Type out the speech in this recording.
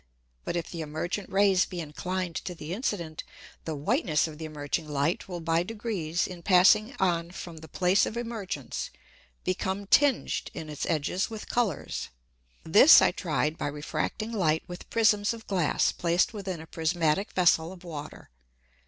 But if the emergent Rays be inclined to the incident, the Whiteness of the emerging Light will by degrees in passing on from the Place of Emergence, become tinged in its Edges with Colours. This I try'd by refracting Light with Prisms of Glass placed within a Prismatick Vessel of Water.